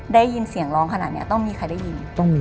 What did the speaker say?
ได้ยินเสียงร้องขนาดนี้ต้องมีใครได้ยิน